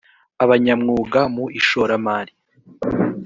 abanyamwuga mu ishoramari